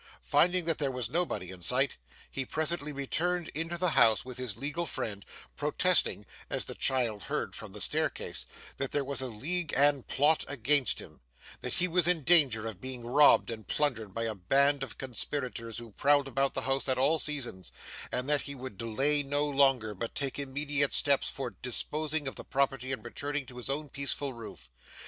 Finding that there was nobody in sight, he presently returned into the house with his legal friend, protesting (as the child heard from the staircase), that there was a league and plot against him; that he was in danger of being robbed and plundered by a band of conspirators who prowled about the house at all seasons; and that he would delay no longer but take immediate steps for disposing of the property and returning to his own peaceful roof.